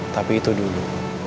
tapi itu dulu